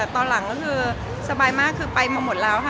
ตอนหลังก็สบายมากย็งไปมาหมดแล้ว